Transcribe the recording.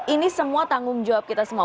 ini semua tanggung jawab kita semua